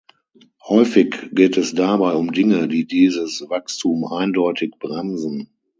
Häufig geht es dabei um Dinge, die dieses Wachstum eindeutig bremsen.